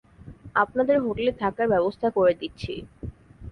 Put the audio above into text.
আপনাদের হোটেলে থাকার ব্যবস্থা করে দিচ্ছি!